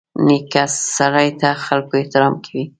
نیکه سړي ته خلکو احترام کوي.